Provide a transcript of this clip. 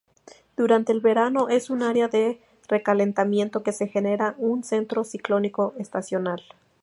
Durante el verano es un área de recalentamiento que genera un centro ciclónico estacional.